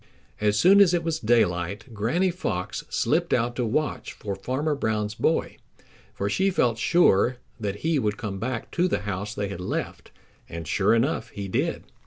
As soon as it was daylight, Granny Fox slipped out to watch for Farmer Brown's boy, for she felt sure that he would come back to the house they had left, and sure enough he did.